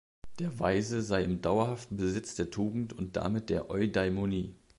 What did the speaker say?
Der Weise sei im dauerhaften Besitz der Tugend und damit der Eudaimonie.